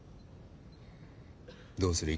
どうする？